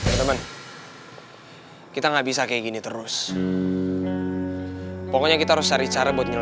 kayaknya boy lagi ngerencanain sesuatu deh